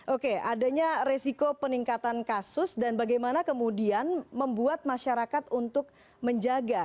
oke adanya resiko peningkatan kasus dan bagaimana kemudian membuat masyarakat untuk menjaga